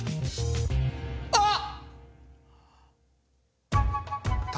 あっ！